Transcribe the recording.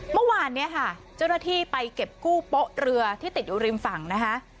เมื่อวานนี้ค่ะเจ้าหน้าที่ไปเก็บกู้โป๊ะเรือที่ติดอยู่ริมฝั่งนะคะ